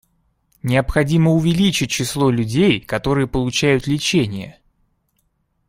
Необходимо увеличить число людей, которые получают лечение.